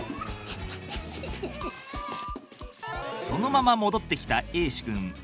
そのまま戻ってきた瑛志くん。